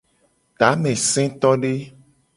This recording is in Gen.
Tamesetode.